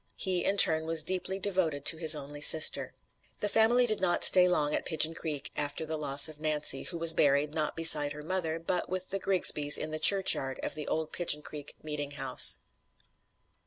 He, in turn, was deeply devoted to his only sister. The family did not stay long at Pigeon Creek after the loss of Nancy, who was buried, not beside her mother, but with the Grigsbys in the churchyard of the old Pigeon Creek meeting house.